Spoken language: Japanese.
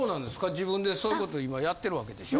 自分でそういうこと今やってるわけでしょ？